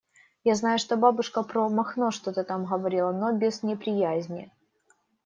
Я знаю, что бабушка про Махно что-то там говорила, но без неприязни.